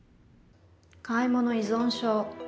買い物依存症。